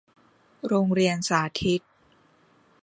โรงเรียนสาธิต